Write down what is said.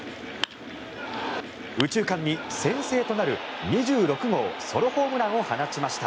右中間に先制となる２６号ソロホームランを放ちました。